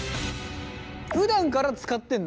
ふだんから使ってんの？